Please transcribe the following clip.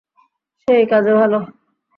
সে এই কাজে ভালো।